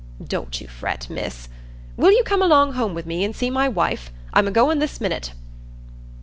Don't you fret, Miss. Will you come along home wi' me, and see my wife? I'm a goin' this minute."